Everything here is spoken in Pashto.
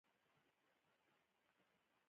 له چوکاټونو ازادول